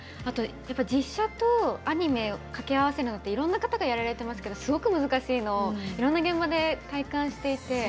実写とアニメを掛け合わせるのはいろんな方がやられていますけどすごく難しいのをいろんな現場で体感していて。